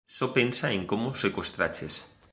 Só pensa en como o secuestraches.